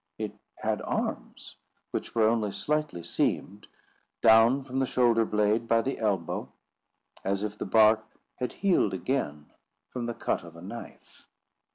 It had arms, which were only slightly seamed, down from the shoulder blade by the elbow, as if the bark had healed again from the cut of a knife.